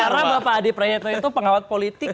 karena bapak adi prajitno itu pengamat politik